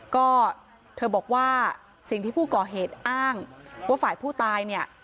ก็เธอบอกว่าสิ่งที่ผู้ก่อเหตุอ้างว่าฝ่ายผู้ตายเนี่ย